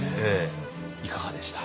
いかがでした？